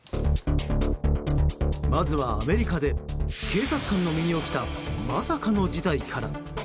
まずは、アメリカで警察官の身に起きたまさかの事態から。